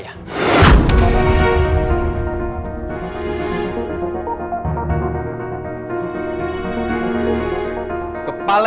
bu andi pergi